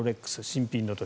新品の時。